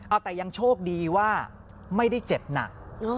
เอาแต่ยังโชคดีว่าไม่ได้เจ็บหนัก